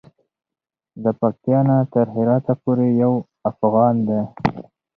د پکتیا نه تر هراته پورې یو افغان دی.